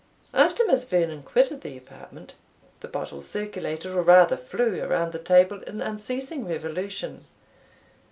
After Miss Vernon quitted the apartment, the bottle circulated, or rather flew, around the table in unceasing revolution.